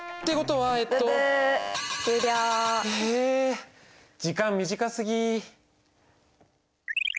時間短すぎ。